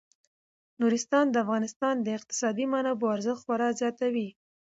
نورستان د افغانستان د اقتصادي منابعو ارزښت خورا ډیر زیاتوي.